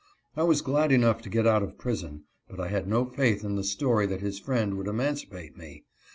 I was glad enough to get out of prison, but I had no faith in the story that his friend would emancipate me.